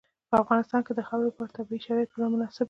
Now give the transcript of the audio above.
په افغانستان کې د خاورې لپاره طبیعي شرایط پوره مناسب دي.